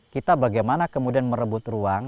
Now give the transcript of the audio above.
kita bagaimana kemudian merebut ruang